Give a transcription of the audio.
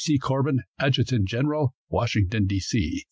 Corbin, Adjutant General, Washington, D. C.